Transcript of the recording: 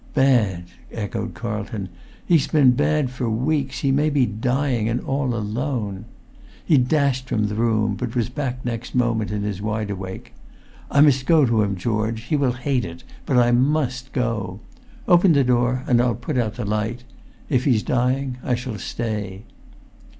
"Bad!" echoed Carlton. "He has been bad for weeks; he may be dying—and all alone!" He dashed from the room, but was back next moment in his wideawake. "I must go to him, George! He will hate it, but I must go. Open the door, and I'll put out the light; if he's dying I shall stay."